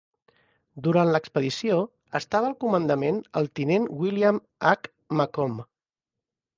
Durant l'expedició, estava al comandament el tinent William H. Macomb.